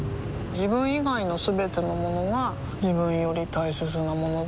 自分以外のすべてのものが自分より大切なものだと思いたい